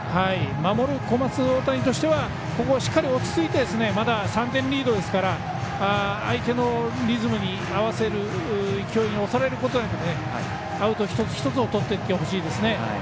守る小松大谷としてはここはしっかり落ち着いてまだ３点リードですから相手のリズムに合わせる勢いに押されることなくアウト一つ一つをとっていってほしいですね。